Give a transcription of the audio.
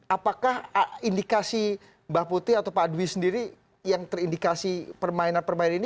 apakah indikasi mbak putih atau pak dwi sendiri yang terindikasi permainan permainan ini